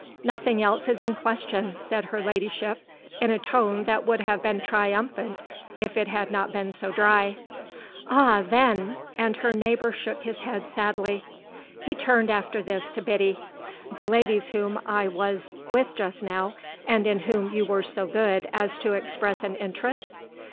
"Nothing else is in question!" said her ladyship in a tone that would have been triumphant if it had not been so dry. "Ah then!" And her neighbour shook his head sadly. He turned after this to Biddy. "The ladies whom I was with just now and in whom you were so good as to express an interest?"